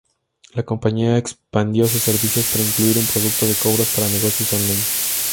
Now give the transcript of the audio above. La compañía expandió sus servicios para incluir un producto de cobros para negocios on-line.